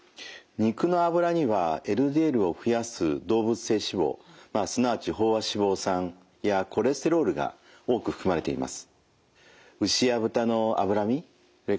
肉の脂にはＬＤＬを増やす動物性脂肪すなわち飽和脂肪酸やコレステロールが多く含まれています。